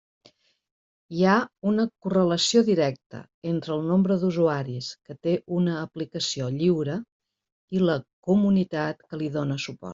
Hi ha una correlació directa entre el nombre d'usuaris que té una aplicació lliure i la comunitat que li dóna suport.